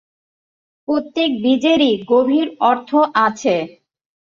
প্রত্যেক বীজেরই গভীর অর্থ আছে।